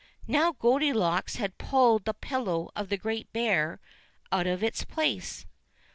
Now Goldilocks had pulled the pillow of the Great Big Bear out of its place.